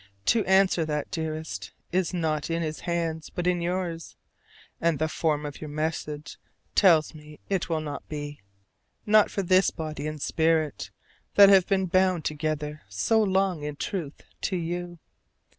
To answer that, dearest, is not in His hands but in yours. And the form of your message tells me it will not be, not for this body and spirit that have been bound together so long in truth to you.